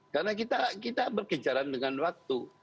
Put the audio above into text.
karena kita berkejaran dengan waktu